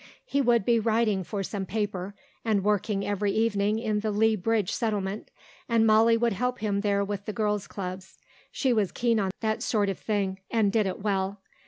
He would be writing for some paper, and working every evening in the Lea Bridge Settlement, and Molly would help him there with the girls' clubs; she was keen on that sort of thing, and did it well.